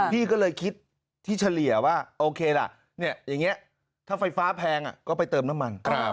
พี่ก็เลยคิดที่เฉลี่ยว่าโอเคล่ะอย่างนี้ถ้าไฟฟ้าแพงก็ไปเติมน้ำมัน